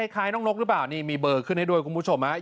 คล้ายน้องนกหรือเปล่านี่มีเบอร์ขึ้นให้ด้วยคุณผู้ชมฮะ